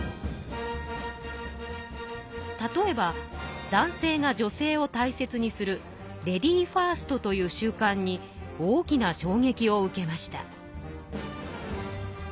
例えば男性が女性を大切にするレディーファーストという習慣に大きな衝撃を受けました。